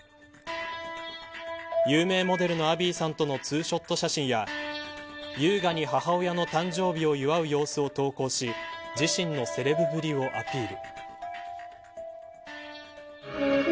有名モデルのアビーさんとのツーショット写真や、優雅に母親の誕生日を祝う様子を投稿し自身のセレブぶりをアピール。